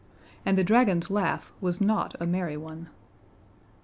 And the dragon's laugh was not a merry one.